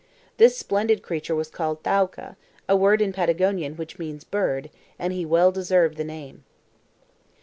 This splendid creature was called "Thaouka," a word in Patagonia which means bird, and he well deserved the name.